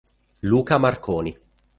Luca Marconi